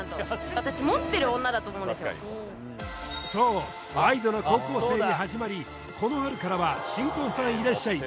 そうワイドナ高校生にはじまりこの春から「新婚さんいらっしゃい！」